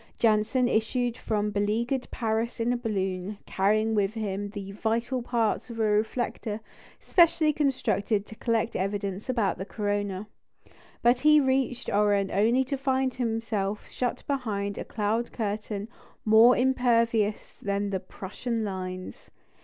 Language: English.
Janssen issued from beleaguered Paris in a balloon, carrying with him the vital parts of a reflector specially constructed to collect evidence about the corona. But he reached Oran only to find himself shut behind a cloud curtain more impervious than the Prussian lines.